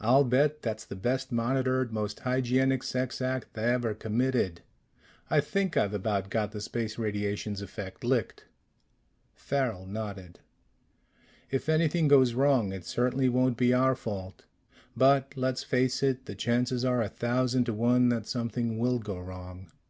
"I'll bet that's the best monitored, most hygienic sex act ever committed. I think I've about got the space radiations effect licked." Farrel nodded. "If anything goes wrong, it certainly won't be our fault. But let's face it the chances are a thousand to one that something will go wrong.